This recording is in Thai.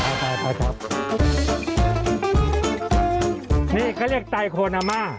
นี่นี่เขาเรียกไตคลูนามา